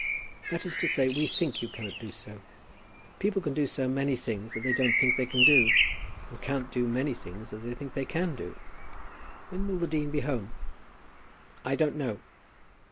"That is to say, we think you cannot do so. People can do so many things that they don't think they can do; and can't do so many things that they think that they can do! When will the dean be home?" "I don't know."